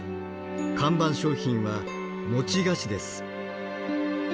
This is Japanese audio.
看板商品は菓子です。